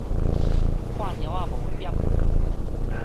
看貓仔無點